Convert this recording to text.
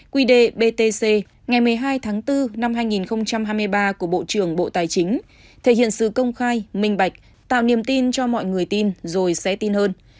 quy đề btc ngày một mươi hai tháng bốn năm hai nghìn hai mươi ba của bộ trưởng bộ tài chính thể hiện sự công khai minh bạch tạo niềm tin cho mọi người tin rồi sẽ tin hơn